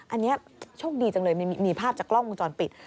อันนี้โชคดีจังเลยมีภาพจากกล้องวงจรปิด